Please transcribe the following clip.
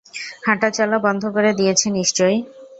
হাঁটাচলা বন্ধ করে দিয়েছে নিশ্চয়ই।